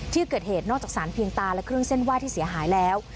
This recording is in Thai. ที่เกิดเหตุนอกจากสารเพียงตาและเครื่องเส้นไหว้ที่เสียหายแล้ว